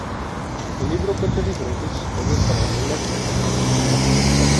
El libro cuenta diferentes historias paralelas a la principal.